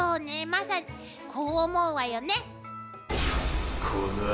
まさにこう思うわよね。